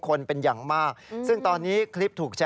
ดิฉันชอบเก้าอี้มหาศจรรย์และกระจกร้านของฉัน